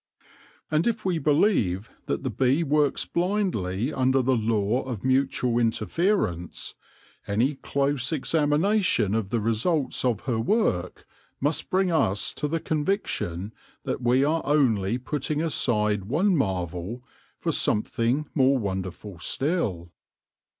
And if we believe that the bee works blindly under the law of mutual interference, any close examination of the results of her work must bring us to the con viction that we are only putting aside one marvel for something more wonderful still.